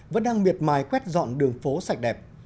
vẫn đang miệt mài quét dọn đường phố sạch đẹp